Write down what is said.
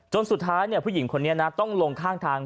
สุดท้ายผู้หญิงคนนี้นะต้องลงข้างทาง